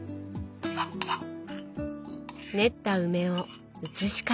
練った梅を移し替えて。